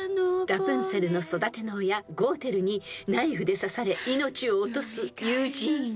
［ラプンツェルの育ての親ゴーテルにナイフで刺され命を落とすユージーン］